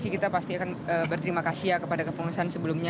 kita pasti akan berterima kasih ya kepada kepengurusan sebelumnya